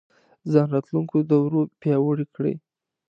ځان راتلونکو دورو پیاوړی کړي